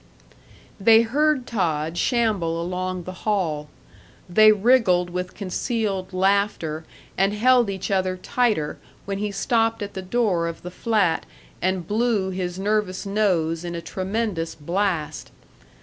They heard Todd shamble along the hall. They wriggled with concealed laughter and held each other tighter when he stopped at the door of the flat and blew his nervous nose in a tremendous blast....